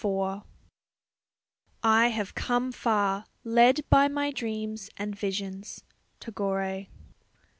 IV I have come far, led by my dreams and visions. TAGORE.